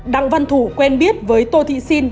đăng văn thủ quen biết với tô thị sinh